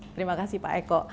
terima kasih pak eko